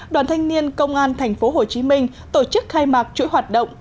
đoàn thanh niên công an thành phố hồ chí minh tổ chức khai mạc chuỗi hoạt động